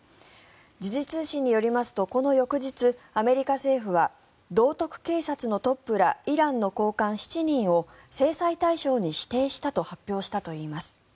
時事通信によりますとこの翌日、アメリカ政府は道徳警察のトップらイランの高官７人を制裁対象に指定したと発表したといいます。